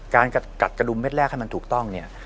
การกัดกระดุมเม็ดแรกให้มันถูกต้องเนี่ย